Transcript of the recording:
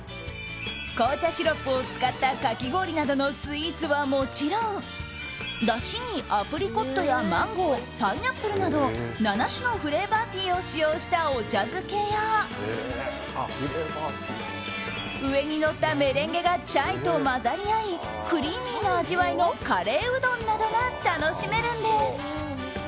紅茶シロップを使ったかき氷などのスイーツはもちろんだしにアプリコットやマンゴーパイナップルなど７種のフレーバーティーを使用したお茶漬けや上にのったメレンゲがチャイと混ざり合いクリーミーな味わいのカレーうどんなどが楽しめるんです。